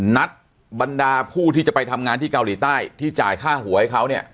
นัดบรรดาผู้ที่จะไปทำงานที่เกาหลีใต้ที่จ่ายค่าหัวให้เขาเนี่ย